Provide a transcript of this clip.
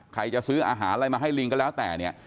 ใครจะซื้ออาหารอะไรมาให้ลิงก็แล้วแต่เนี่ย